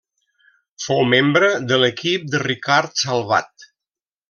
Fou membre de l'equip de Ricard Salvat.